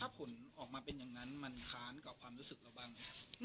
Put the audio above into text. ผลออกมาเป็นอย่างนั้นมันค้านกับความรู้สึกเราบ้างไหมครับ